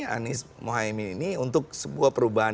anies mohaimin ini untuk sebuah perubahan